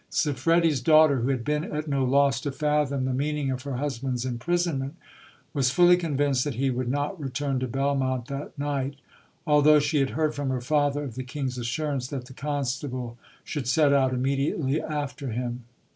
Siffredi's daughter, who had been at no loss to fathom the meaning of her husband's imprisonment, was fully convinced that he would not return to Bel monte that night, although she had heard from her father of the king's assur ance that the constable should set out immediately after him.